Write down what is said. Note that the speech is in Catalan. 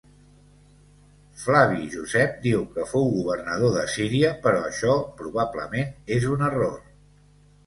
Flavi Josep diu que fou governador de Síria però això probablement és un error.